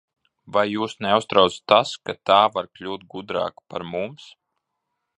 Vai jūs neuztrauc tas, ka tā var kļūt gudrāka par mums?